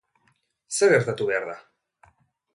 Zer gertatu behar da?